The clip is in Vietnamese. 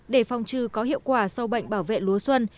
để phòng trừ có hiệu quả sâu bệnh bảo vệ lúa xuân